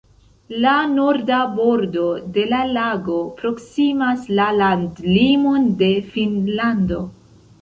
La norda bordo de la lago proksimas la landlimon de Finnlando.